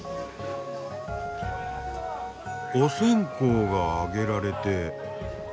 お線香が上げられて。